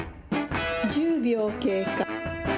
１０秒経過。